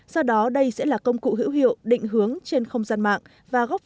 sau đó đây sẽ là công cụ hữu hiệu định hướng trên không gian mạng